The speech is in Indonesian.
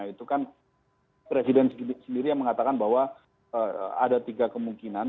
itu kan presiden sendiri yang mengatakan bahwa ada tiga kemungkinan